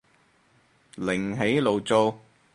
另起爐灶